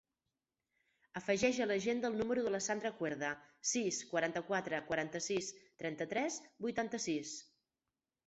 Afegeix a l'agenda el número de la Sandra Cuerda: sis, quaranta-quatre, quaranta-sis, trenta-tres, vuitanta-sis.